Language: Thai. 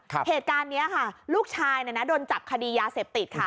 เหตุการณ์นี้ลูกชายโดนจับคดียาเสพติด